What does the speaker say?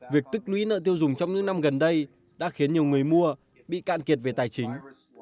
việc tích lũy nợ tiêu dùng trong những năm gần đây đã khiến nhiều người mua bị cạn kiệt về tài chính